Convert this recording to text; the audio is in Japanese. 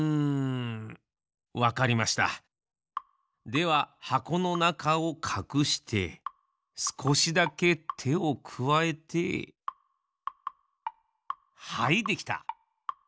でははこのなかをかくしてすこしだけてをくわえてはいできた！